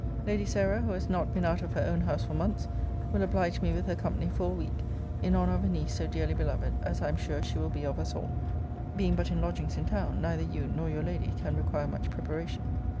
Lady Sarah, who has not been out of her own house for months, will oblige me with her company for a week, in honour of a niece so dearly beloved, as I am sure she will be of us all. Being but in lodgings in town, neither you nor your lady can require much preparation.